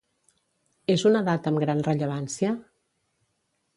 És una data amb gran rellevància?